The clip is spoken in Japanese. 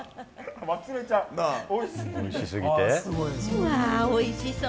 うわー、おいしそう！